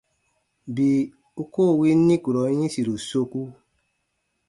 Bii u koo win nikurɔn yĩsiru soku.